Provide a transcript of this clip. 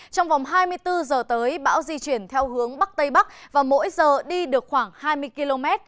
trong vòng hai mươi bốn h tới bão di chuyển theo hướng bắc tây bắc và mỗi giờ đi được khoảng hai mươi km